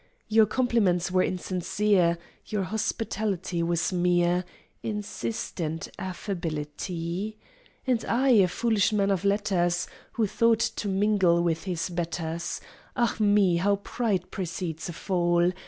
Your compliments were insincere, Your hospitality was mere "Insistent affability!" And I, a foolish man of letters, Who thought to mingle with his betters! Ah me! How pride precedes a fall!